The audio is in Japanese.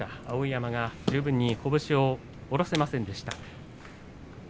碧山が十分に拳を下ろせませんでした。